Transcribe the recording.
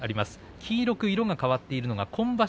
黄色く色が変わっているのが今場所